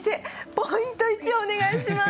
ポイント１をお願いします。